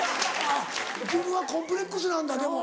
あっ自分はコンプレックスなんだでも。